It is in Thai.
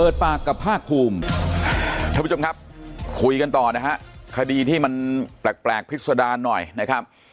ท่านผู้ชมครับคุยกันต่อนะครับคดีที่มันแปลกพิสดาหน่อยนะครับ